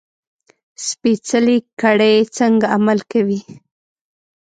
سپېڅلې کړۍ څنګه عمل کوي.